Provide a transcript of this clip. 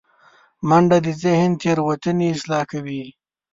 منډه د ذهن تیروتنې اصلاح کوي